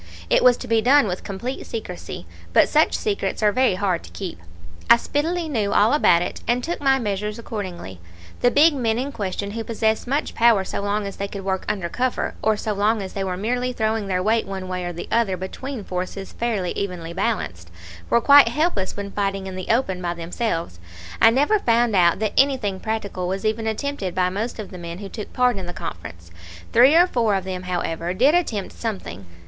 It was to be done with complete secrecy. But such secrets are very hard to keep. I speedily knew all about it, and took my measures accordingly. The big men in question, who possessed much power so long as they could work under cover, or so long as they were merely throwing their weight one way or the other between forces fairly evenly balanced, were quite helpless when fighting in the open by themselves. I never found out that anything practical was even attempted by most of the men who took part in the conference. Three or four of them, however, did attempt something.